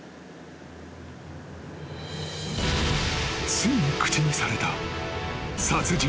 ［ついに口にされた］